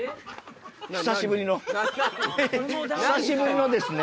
⁉久しぶりの久しぶりのですね。